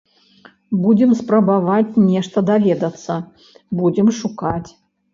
Будзем спрабаваць нешта даведацца, будзем шукаць.